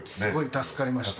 助かりました。